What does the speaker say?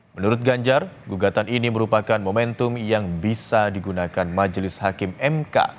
menurut ganjar gugatan ini merupakan momentum yang bisa digunakan majelis hakim mk